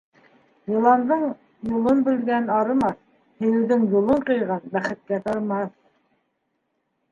Йыландың юлын бүлгән - арымаҫ, һөйөүҙең юлын ҡыйған - бәхеткә тарымаҫ...